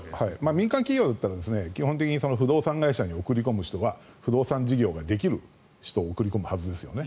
民間企業なら不動産に送り込む人は不動産事業をできる人を送り込むはずですよね。